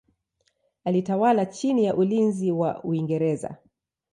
Alitawala chini ya ulinzi wa Uingereza.